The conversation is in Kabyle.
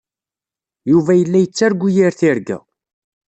Yuba yella yettargu yir tirga.